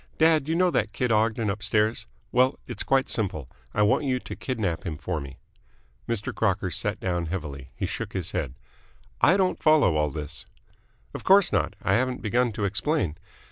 Dad, you know that kid Ogden upstairs? Well, it's quite simple. I want you to kidnap him for me." Mr. Crocker sat down heavily. He shook his head. "I don't follow all this." "Of course not. I haven't begun to explain.